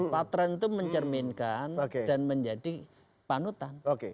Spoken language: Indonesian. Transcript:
patron itu mencerminkan dan menjadi panutan